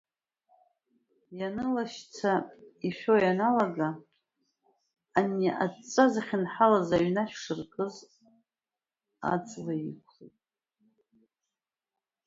Ианылашьца, ишәо ианалага, ани аҵәҵәа зхьынҳалаз аҩнашә шыркыз аҵла иқәлеит.